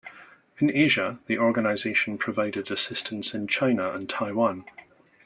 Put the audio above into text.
In Asia the organization provided assistance in China and Taiwan.